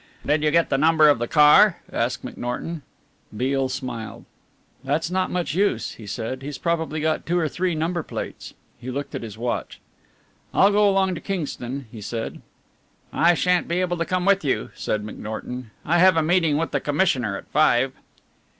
"Did you get the number of the car?" asked McNorton. Beale smiled. "That's not much use," he said, "he's probably got two or three number plates." He looked at his watch. "I'll go along to Kingston," he said. "I shan't be able to come with you," said McNorton, "I have a meeting with the commissioner at five."